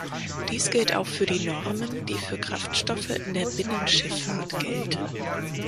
Dies gilt auch für die Normen, die für Kraftstoffe in der Binnenschifffahrt gelten.